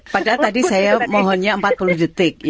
padahal tadi saya mohonnya empat puluh detik